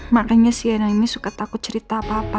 makanya cnn ini suka takut cerita apa apa